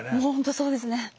本当そうですね。